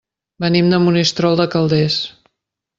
Venim de Monistrol de Calders.